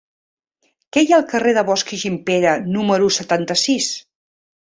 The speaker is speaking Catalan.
Què hi ha al carrer de Bosch i Gimpera número setanta-sis?